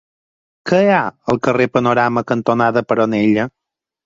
Què hi ha al carrer Panorama cantonada Peronella?